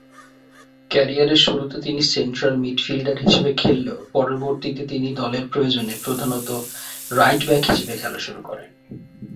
ক্যারিয়ারের শুরুতে তিনি সেন্ট্রাল মিডফিল্ডার হিসেবে খেললেও পরবর্তীতে তিনি দলের প্রয়োজনে প্রধানত রাইট ব্যাক হিসেবে খেলা শুরু করেন।